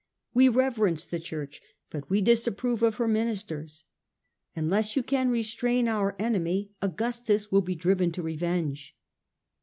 We reverence the Church, but we disapprove of her ministers. Unless you can restrain our enemy, Augustus will be driven to revenge."